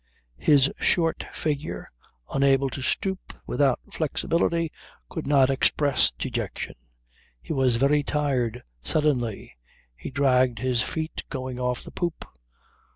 His short figure, unable to stoop, without flexibility, could not express dejection. He was very tired suddenly; he dragged his feet going off the poop.